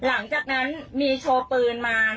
หลังจากนั้นมีโชว์ปืนมา